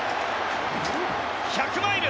１００マイル！